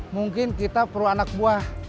mungkin kita perlu anak buah